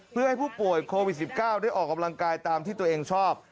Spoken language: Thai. เพื่อให้ผู้ป่วยโควิด๑๙ได้ออกกำลังกายตามที่ตัวเองชอบ